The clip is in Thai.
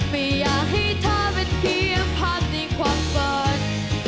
ไม่อยากให้เธอเป็นเพียงพักในความฝัน